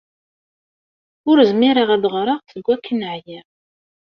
Ur zmireɣ ad ɣreɣ seg akken ɛyiɣ.